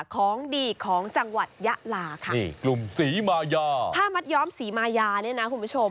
ของดีของจังหวัดยะลาค่ะนี่กลุ่มศรีมายาผ้ามัดย้อมศรีมายาเนี่ยนะคุณผู้ชม